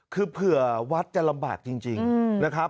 คือเผื่อวัดจะลำบากจริงนะครับ